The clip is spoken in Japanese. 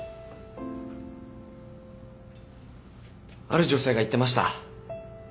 ある女性が言ってました。